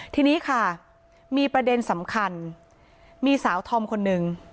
ทีนี้ค่ะมีประเด็นสำคัญมีสาวธอมคนหนึ่ง